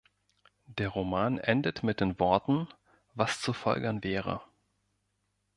Der Roman endet mit den Worten "Was zu folgern wäre".